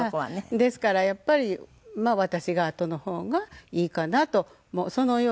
ですからやっぱりまあ私があとの方がいいかなとそのように思ってた。